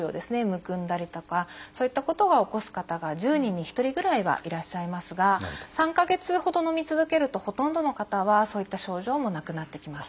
むくんだりとかそういったことを起こす方が１０人に１人ぐらいはいらっしゃいますが３か月ほどのみ続けるとほとんどの方はそういった症状もなくなってきます。